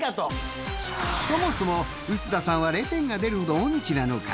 そもそも臼田さんは０点が出るほど音痴なのか？